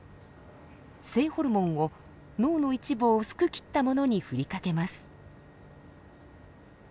性ホルモンを脳の一部を薄く切ったものに振りかけます。